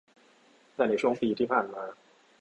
แต่ในช่วงปีที่ผ่านมา